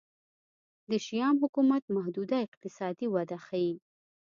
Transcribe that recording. د شیام حکومت محدوده اقتصادي وده ښيي.